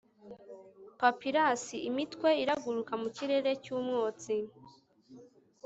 papyrus-imitwe iraguruka mu kirere cyumwotsi